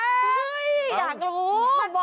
อยากรู้มาดูมาดู